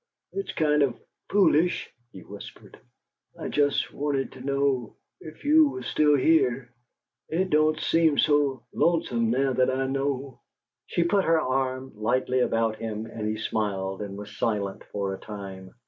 "It's kind of foolish," he whispered. "I just wanted to know if you was still here. It don't seem so lonesome now that I know." She put her arm lightly about him and he smiled and was silent for a time.